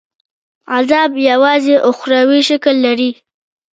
عذاب یوازي اُخروي شکل لري.